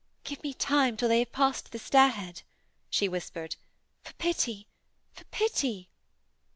'Give me time, till they have passed the stairhead,' she whispered. 'For pity! for pity.'